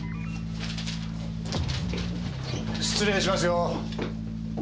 失礼しますよ。